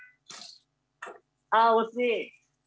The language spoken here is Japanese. あ惜しい。